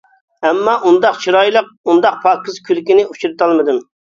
ئەمما ئۇنداق چىرايلىق، ئۇنداق پاكىز كۈلكىنى ئۇچرىتالمىدىم.